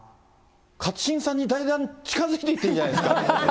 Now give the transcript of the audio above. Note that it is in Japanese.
勝新さんにだんだん近づいていってんじゃないですか？